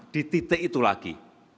di titik itu lagi